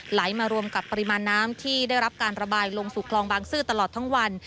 ไหลมารวมกับปริมาณน้ำที่ได้รับการระบายลงสู่คลองบางซื่อตลอดทั้งวัน